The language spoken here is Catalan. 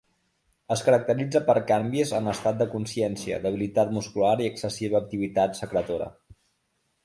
Es caracteritza per canvis en l'estat de consciència, debilitat muscular i excessiva activitat secretora.